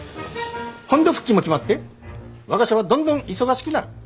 本土復帰も決まって我が社はどんどん忙しくなる。